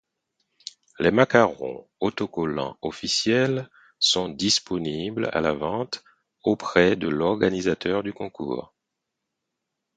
Les macarons autocollants officiels sont disponibles, à la vente, auprès de l'organisateur du concours.